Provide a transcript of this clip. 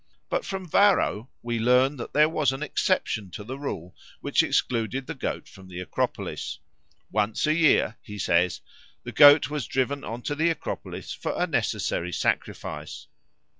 But from Varro we learn that there was an exception to the rule which excluded the goat from the Acropolis. Once a year, he says, the goat was driven on to the Acropolis for a necessary sacrifice.